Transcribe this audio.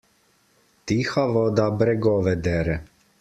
Tiha voda bregove dere.